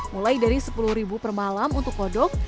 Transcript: mulai dari sepuluh per malam untuk kodok